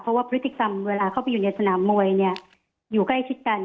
เพราะว่าพฤติกรรมเวลาเข้าไปอยู่ในสนามมวยเนี่ยอยู่ใกล้ชิดกัน